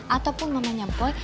ataupun namanya boy